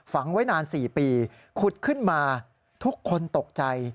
ฝังไว้นาน๔ปีขุดขึ้นมาทุกคนตกใจ